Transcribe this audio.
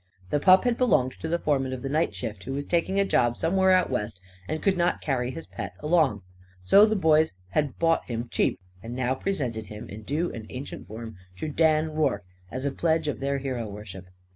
The pup had belonged to the foreman of the night shift, who was taking a job somewhere out West and could not carry his pet along. So the boys had bought him cheap; and now presented him in due and ancient form to Dan Rorke, as a pledge of their hero worship.